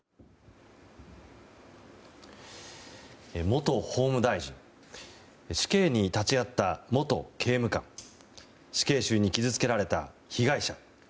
元法務大臣死刑に立ち会った元刑務官死刑囚に傷つけられた被害者。